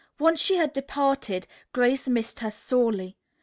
Once she had departed, Grace missed her sorely.